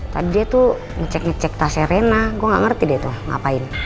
tadi dia tuh ngecek ngecek tasnya rena gue gak ngerti deh tuh ngapain